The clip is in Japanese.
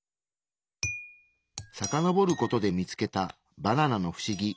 さかのぼることで見つけたバナナのフシギ。